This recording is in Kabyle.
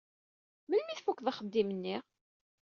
Melmi ay tfukeḍ axeddim-nni?